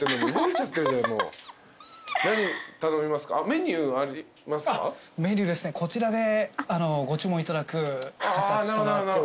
メニューですねこちらでご注文いただく形となっております。